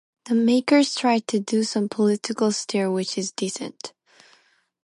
The makers tried to do some political satire which is decent.